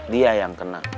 dia yang kena